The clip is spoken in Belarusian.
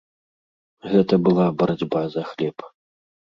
Гэта была барацьба за хлеб.